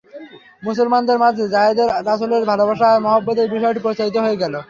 মুসলমানদের মাঝে যায়েদেকে রাসূলের ভালবাসা আর মহব্বতের বিষয়টি প্রচারিত হয়ে গেল।